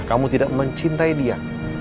kamu tidak mencintai dia